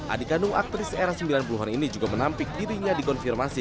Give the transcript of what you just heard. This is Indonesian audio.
adik kandung aktris era sembilan puluh an ini juga menampik dirinya dikonfirmasi